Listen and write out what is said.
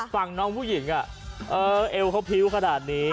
ฝั่งน้องผู้หญิงอะเอ้อเอวเข้าพิ้วขนาดนี้